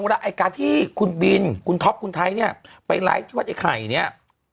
แล้วที่คุณบินคุณท็อบคุณไทยเนี่ยเข้าไปไลฟ์วัดไข่เนี่ย